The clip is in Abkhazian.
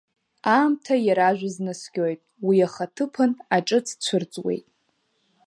Аамҭа иаражәыз наскьоит, уи ахаҭыԥан аҿыц цәырҵуеит.